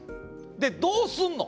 で、どうすんの？